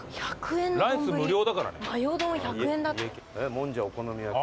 もんじゃお好み焼き。